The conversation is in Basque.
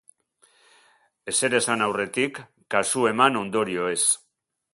Ezer esan aurretik, kasu eman ondorioez.